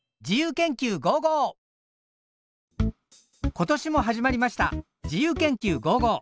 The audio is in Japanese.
今年も始まりました「自由研究５５」。